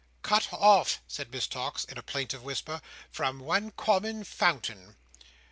"Cut off," said Miss Tox, in a plaintive whisper, "from one common fountain!"